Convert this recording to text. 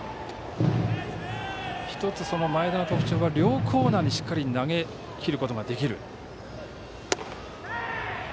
１つ、前田の特徴は両コーナーにしっかり投げきることができる。